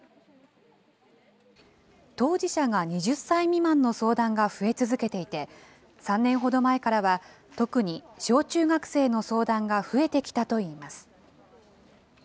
当事者が２０歳未満の相談が増え続けていて、３年ほど前からは、特に小中学生の相談が増えてきたといいます。